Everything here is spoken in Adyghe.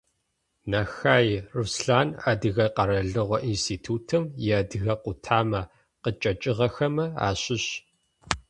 Нэхэе Руслъан, Адыгэ къэралыгъо институтым иадыгэ къутамэ къычӏэкӏыгъэхэмэ ащыщ.